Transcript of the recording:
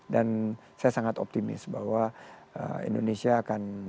dan saya sangat optimis bahwa indonesia akan